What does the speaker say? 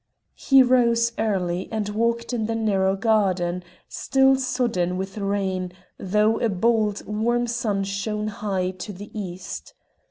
He rose early and walked in the narrow garden, still sodden with rain, though a bold, warm sun shone high to the east.